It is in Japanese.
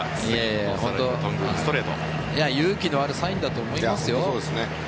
勇気のあるサインだと思いますよ。